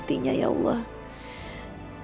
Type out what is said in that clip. terima kasih bu